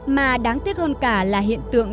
mà đáng tiếc hơn cả là hiện tượng